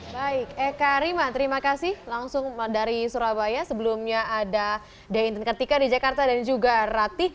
baik eka rima terima kasih langsung dari surabaya sebelumnya ada dain ketika di jakarta dan juga rati